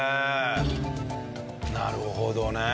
なるほどね。